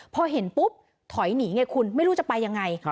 พอเห็นปุ๊บถอยหนีไงคุณไม่รู้จะไปยังไง